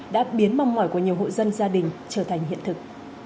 đã biến mong mỏi của nhiều hội dân gia đình trở thành hiện thực